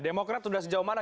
demokrat sudah sejauh mana